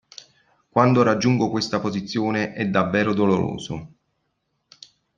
Quando raggiungo questa posizione, è davvero doloroso.